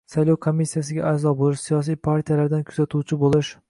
saylov komissiyasiga a’zo bo‘lish, siyosiy partiyalardan kuzatuvchi bo‘lish